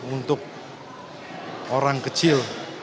untuk orang kecil